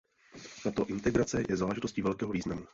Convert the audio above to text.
Tato integrace je záležitostí velkého významu.